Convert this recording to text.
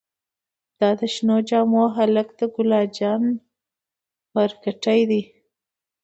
دا د شنو جامو هلک د ګلا جان پارکټې دې.